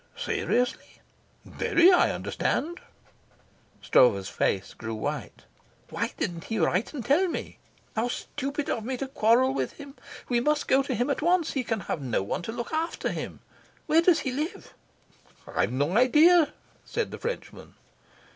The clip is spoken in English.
"Seriously?" "Very, I understand." Stroeve's face grew white. "Why didn't he write and tell me? How stupid of me to quarrel with him. We must go to him at once. He can have no one to look after him. Where does he live?" "I have no idea," said the Frenchman.